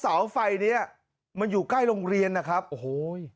เสาไฟเนี้ยมันอยู่ใกล้โรงเรียนนะครับโอ้โห